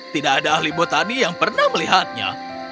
tidak ada ahli botani yang pernah melihatnya